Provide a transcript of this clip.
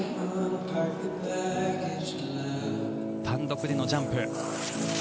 単独でのジャンプ。